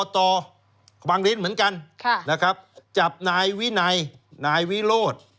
บบังริ้นเหมือนกันจับนายวินายนายวิโรธ